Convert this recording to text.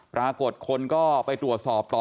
ปรากฏคนก็ไปตรวจสอบต่อ